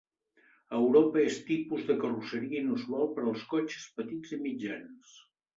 A Europa és tipus de carrosseria inusual per als cotxes petits i mitjans.